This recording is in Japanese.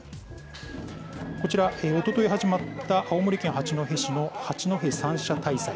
こちら、おととい始まった青森県八戸市の八戸三社大祭。